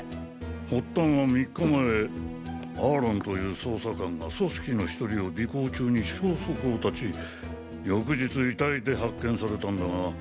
発端は３日前アーロンという捜査官が組織の１人を尾行中に消息を絶ち翌日遺体で発見されたんだが。